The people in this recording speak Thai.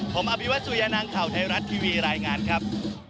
ผมอภิวัตสุยานังข่าวไทยรัฐทีวีรายงานครับ